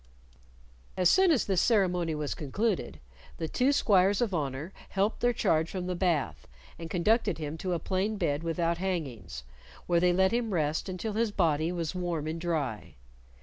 As soon as this ceremony was concluded, the two squires of honor helped their charge from the bath, and conducted him to a plain bed without hangings, where they let him rest until his body was warm and dry.